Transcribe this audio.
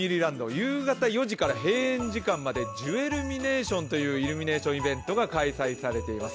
夕方４時から閉園時間までジュエルミネーションというイルミネーションイベントが開催されています。